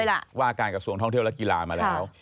เป็นรัฐมนตรีว่าการกระทรวงท่องเที่ยวและกีฬามาแล้ว